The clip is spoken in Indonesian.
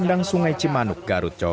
jangan dikeluarkan juga